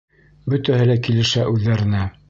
Бөтәһе лә килешә үҙҙәренә.